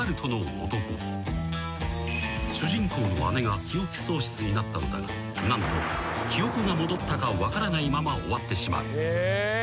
［主人公の姉が記憶喪失になったのだが何と記憶が戻ったか分からないまま終わってしまう］